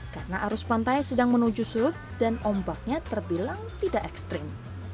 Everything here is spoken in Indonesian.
karena arus pantai sedang menuju surut dan ombaknya terbilang tidak ekstrim